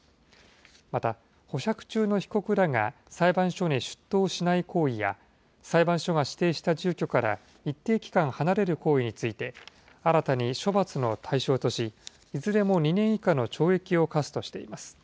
また保釈中の被告らが裁判所に出頭しない行為や、裁判所が指定した住居から一定期間離れる行為について、新たに処罰の対象とし、いずれも２年以下の懲役を科すとしています。